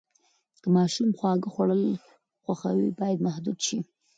که ماشوم خواږه خوړل خوښوي، باید محدود شي.